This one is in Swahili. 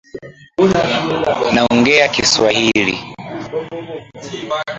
Naongea kiswahili